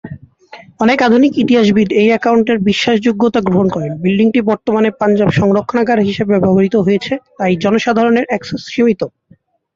অনেক আধুনিক ইতিহাসবিদ এই অ্যাকাউন্টের বিশ্বাসযোগ্যতা গ্রহণ করেন, বিল্ডিংটি বর্তমানে পাঞ্জাব সংরক্ষণাগার হিসাবে ব্যবহৃত হয়েছে, তাই জনসাধারণের অ্যাক্সেস সীমিত।